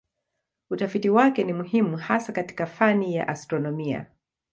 Utafiti wake ni muhimu hasa katika fani ya astronomia.